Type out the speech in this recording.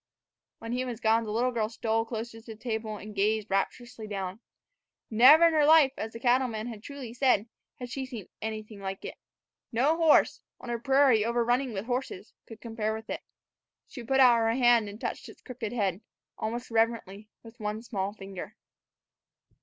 When he was gone the little girl stole closer to the table and gazed rapturously down. Never in her life, as the cattleman truly said, had she seen anything like it. No horse, on a prairie overrunning with horses, could compare with it. She put out her hand and touched its crooked head, almost reverently, with one small finger.